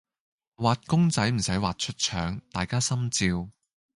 畫公仔唔駛畫出腸，大家心照